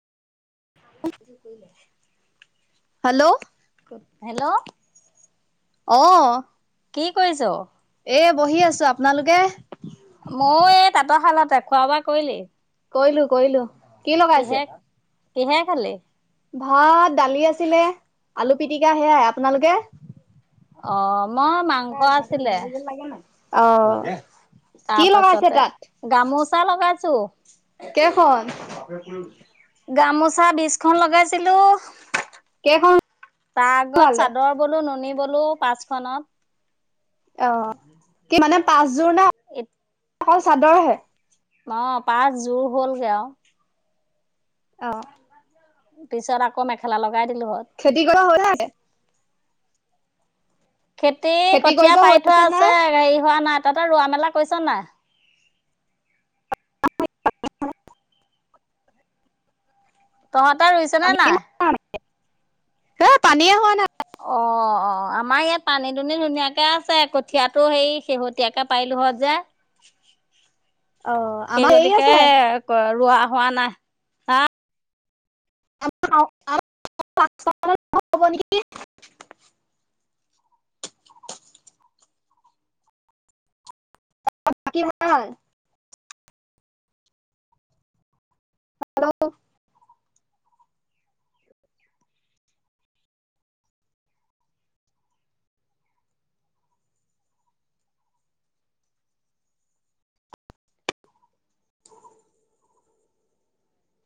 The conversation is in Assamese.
Hello hello! আহ! কি কৰিছ? এ বহি আছো। আপোনালোকে? ময়ো এই তাঁতৰ শালতে। খোৱা-বোৱা কৰিলি? কৰিলো, কৰিলো। কি কিহে লগাইছে? কিহে খালি? ভাত, দালি আছিলে, আলু পিটিকা সেয়াই আপোনালোকে। অ', মই মাংস আছিলে। অ'। তাৰ কি লগাইছে পাছতে, তাত গামোচা লগাইছো। উম। গামোচা বিশখন লগাইছিলোঁ। কেইখন তাৰ আগত ওলালে চাদৰ বলো, নুনী বলো পাঁচখনত। অ' কি মানে পাঁচযোৰ নে? এত। অকল চাদৰহে। অ', পাচঁ যোৰ হ'লগে আৰু। অ'। পিছত আকৌ মেখেলা লগ খেতি কৰা হ'ল নাই? খেতি কঠীয়া কৰিব পাৰি থোৱা হৈছে নাই আছে হেৰি হোৱা নাই। ততৰ ৰোৱা মেলা কৈৰিছ নাই? তহঁতৰ ৰুইছে নে পানীয়ে নাই? হোৱা হে পানীয়ে হোৱা নাই। অ', অ'। অ', আমাৰ ইয়াত পানী দুনি ধুনীয়াকে আছে, কঠিয়াটো সেই শেহতীয়াকে পাৰিলোহত যে। অ সেই আমাৰ হেৰি গতিকে আছে ৰোৱা হোৱা নাই। হা [unintelligible] হব নিকি। আ। কি বনা নাই? হেল্ল'!